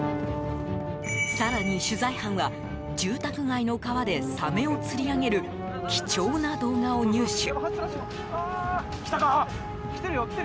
更に取材班は、住宅街の川でサメを釣り上げる貴重な動画を入手。